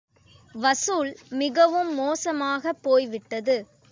வசூல் மிகவும் மோசமாகப் போய் விட்டது.